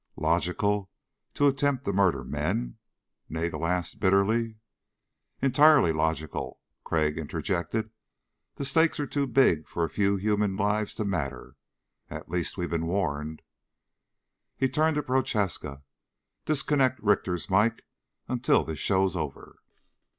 "Logical to attempt to murder men?" Nagel asked bitterly. "Entirely logical," Crag interjected. "The stakes are too big for a few human lives to matter. At least we've been warned." He turned to Prochaska. "Disconnect Richter's mikes until this show's over."